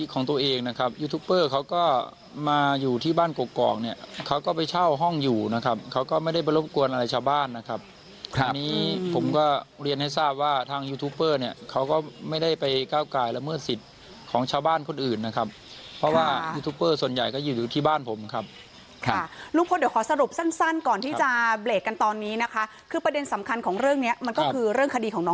เขาก็ไปเช่าห้องอยู่นะครับเขาก็ไม่ได้ไปรบกวนอะไรชาวบ้านนะครับครับผมก็เรียนให้ทราบว่าทางยูทูปเปอร์เนี่ยเขาก็ไม่ได้ไปก้าวกายละเมื่อสิทธิ์ของชาวบ้านคนอื่นนะครับเพราะว่ายูทูปเปอร์ส่วนใหญ่ก็อยู่อยู่ที่บ้านผมครับค่ะลุงพลเดี๋ยวขอสรุปสั้นสั้นก่อนที่จะเบรกกันตอนนี้นะคะคือประเด็นสำคัญของเรื่องเน